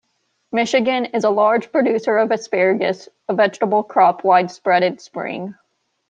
Michigan is a large producer of asparagus, a vegetable crop widespread in Spring.